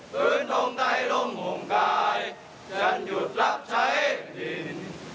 ฟื้นทงใต้ลมห่วงกายฉันหยุดรับใช้ดิน